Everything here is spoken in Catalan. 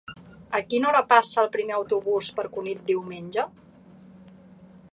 A quina hora passa el primer autobús per Cunit diumenge?